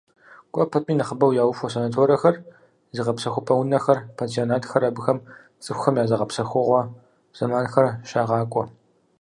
КӀуэ пэтми нэхъыбэу яухуэ санаторэхэр, зыгъэпсэхупӀэ унэхэр, пансионатхэр, абыхэм цӀыхухэм я зыгъэпсэхугъуэ зэманхэр щагъакӀуэ.